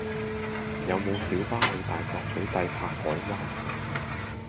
有無小巴去大角嘴帝柏海灣